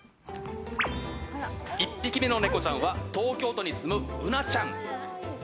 １匹目のネコちゃんは東京都に住む、うなちゃん。